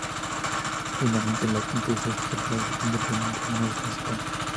Finalmente, en la quinta y sexta temporada, se convierte en un personaje principal.